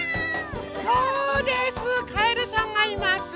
そうですかえるさんがいます。